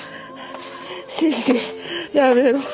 シシやめろ。